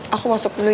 aku masuk dulu ya